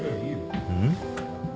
うん？